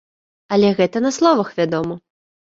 Але гэта на словах, вядома.